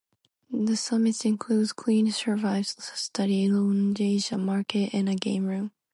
The Summits includes cleaning services, study lounges, a market, and a game room.